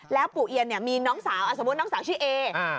แล้วปู่เอียนเนี่ยมีน้องสาวสมมุติน้องสาวชื่อเอ